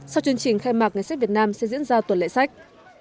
sau chương trình khai mạc ngày sách việt nam sẽ diễn ra tuần lệ sách